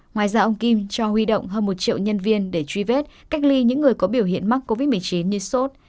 ngoài ra ông kim cho huy động hơn một triệu nhân viên để truy vết cách ly những người có biểu hiện mắc covid một mươi chín như sốt